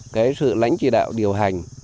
cái sự lãnh chỉ đạo điều hành